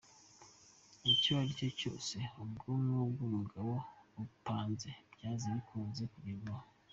Icyo aricyo cyose ubwonko bw’umugabo bupanze, byanze bikunze kigerwaho.